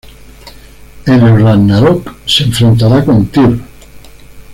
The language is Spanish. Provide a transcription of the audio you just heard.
En el Ragnarök se enfrentará con Tyr.